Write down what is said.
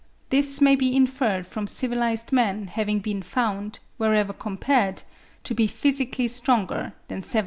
This may be inferred from civilised men having been found, wherever compared, to be physically stronger than savages.